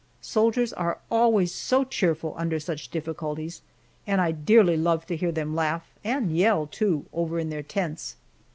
Soldiers are always so cheerful under such difficulties, and I dearly love to hear them laugh, and yell, too, over in their tents.